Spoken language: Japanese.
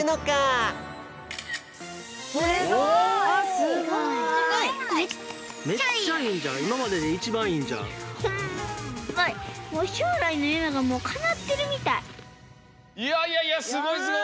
すごい！いやいやいやすごいすごい！